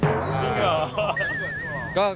จริงเหรอสวยอ๋อ